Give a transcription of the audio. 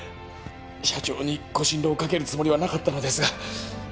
社長にご心労をかけるつもりはなかったのですが。